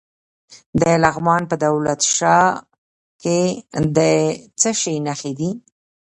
د لغمان په دولت شاه کې د څه شي نښې دي؟